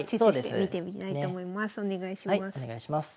はいお願いします。